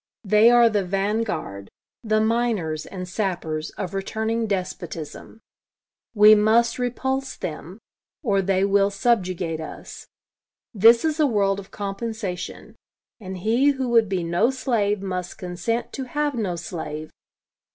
They are the van guard the miners and sappers of returning despotism. We must repulse them, or they will subjugate us. This is a world of compensation; and he who would be no slave must consent to have no slave.